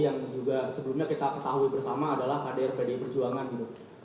yang juga sebelumnya kita ketahui bersama adalah kader pdi perjuangan gitu